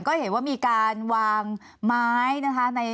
ก็เห็นว่ามีการวางไม้นะคะ